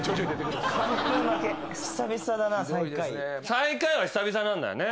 最下位は久々なんだよね。